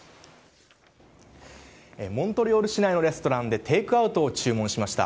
モントリオール市内のレストランでテークアウトを注文しました。